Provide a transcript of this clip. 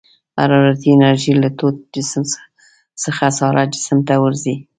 حرارتي انرژي له تود جسم څخه ساړه جسم ته ورځي.